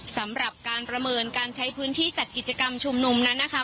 สำหรับการประเมินการใช้พื้นที่จัดกิจกรรมชุมนุมนั้นนะคะ